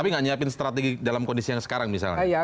tapi tidak menyiapkan strategi dalam kondisi yang sekarang misalnya